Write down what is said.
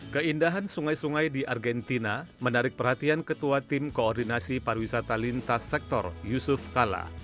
keindahan sungai sungai di argentina menarik perhatian ketua tim koordinasi pariwisata lintas sektor yusuf kala